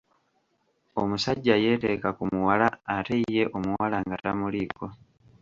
Omusajja yeeteeka ku muwala ate ye omuwala nga tamuliiko!